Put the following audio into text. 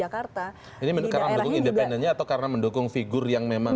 karena mendukung independennya atau karena mendukung figure yang memang